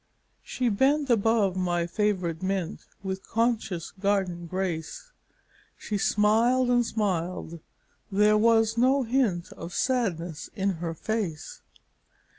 She bent above my favourite mint With conscious garden grace, She smiled and smiled there was no hint Of sadness in her face.